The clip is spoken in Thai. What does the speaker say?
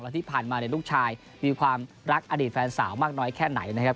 และที่ผ่านมาลูกชายมีความรักอดีตแฟนสาวมากน้อยแค่ไหนนะครับ